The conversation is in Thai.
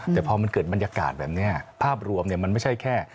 แต่พอมันเกิดบรรยากาศแบบนี้ภาพรวมมันไม่ใช่แค่